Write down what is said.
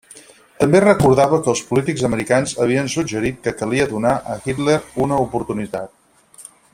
També recordava que els polítics americans havien suggerit que calia donar a Hitler una oportunitat.